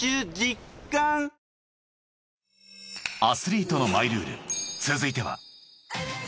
［『アスリートのマイルール』続いては］